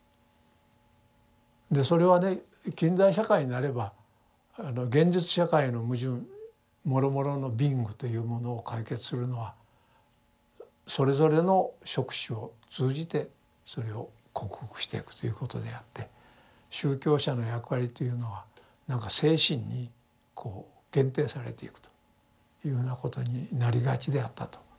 でそれはね近代社会になれば現実社会の矛盾もろもろの貧苦というものを解決するのはそれぞれの職種を通じてそれを克服していくということであって宗教者の役割というのはなんか精神にこう限定されていくというふうなことになりがちであったと。